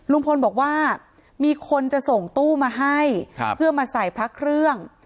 ลุงพลบอกว่ามีคนจะส่งตู้มาให้เพื่อมาใส่พระเครื่อง